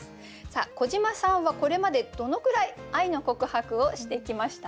さあ小島さんはこれまでどのくらい愛の告白をしてきました？